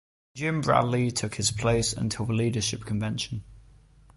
Jim Bradley took his place until the leadership convention.